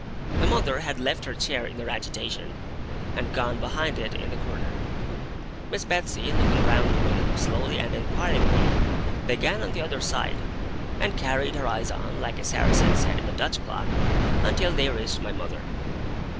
My mother had left her chair in her agitation, and gone behind it in the corner. Miss Betsey, looking round the room, slowly and inquiringly, began on the other side, and carried her eyes on, like a Saracen's Head in a Dutch clock, until they reached my mother.